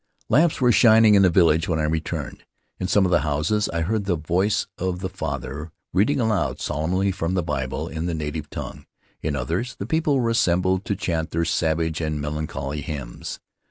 Lamps were shining in the village when I returned; in some of the houses I heard the voice of the father, reading aloud solemnly from the Bible in the native tongue; in others, the people were assembled to chant their savage and melancholy hymns.